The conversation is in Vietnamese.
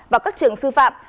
vào các trường sư phạm